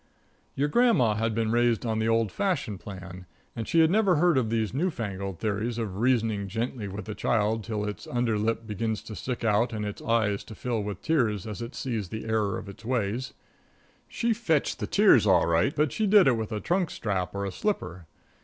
Your grandma had been raised on the old fashioned plan, and she had never heard of these new fangled theories of reasoning gently with a child till its under lip begins to stick out and its eyes to fill with tears as it sees the error of its ways. She fetched the tears all right, but she did it with a trunk strap or a slipper.